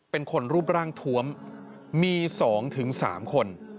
เป็นคนรูปร่างทวมมี๒๓คน